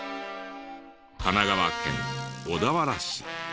神奈川県小田原市。